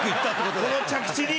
この着地に。